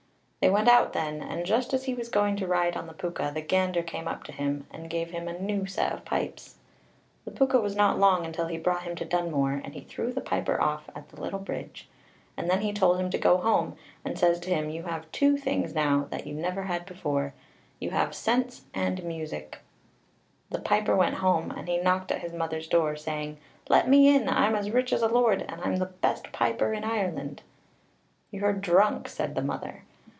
They went out then, and just as he was going to ride on the Púca, the gander came up to him, and gave him a new set of pipes. The Púca was not long until he brought him to Dunmore, and he threw the piper off at the little bridge, and then he told him to go home, and says to him, "You have two things now that you never had before you have sense and music (ciall agus ceól)." The piper went home, and he knocked at his mother's door, saying, "Let me in, I'm as rich as a lord, and I'm the best piper in Ireland." "You're drunk," said the mother.